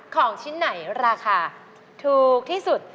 ของชิ้นไหนราคาถูกที่สุด